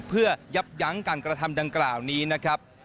เพื่อยับยั้งการกระทำดังกล่าวนี้นะครับ